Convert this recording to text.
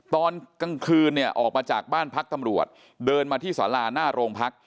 ตอนกลางคืนเนี่ยออกมาจากบ้านพักตำรวจเดินมาที่สาราหน้าโรงพัก